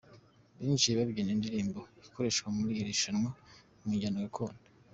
Binjiye babyina indirimbo ikoreshwa muri iri rushanwa mu njyana gakondo.